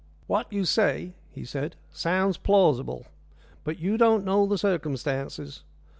"What you say," he said, "sounds plausible. But you don't know the circumstances.